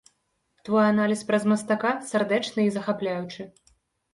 Твой аналіз праз мастака сардэчны і захапляючы.